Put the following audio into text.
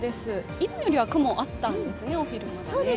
今よりは雲、あったんですね、お昼の段階では。